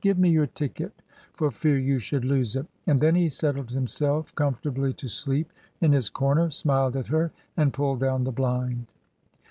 "Give me your ticket, for fear you should lose it," and then he settled himself comfortably to sleep in his comer, smiled at her, and pulled down the blind.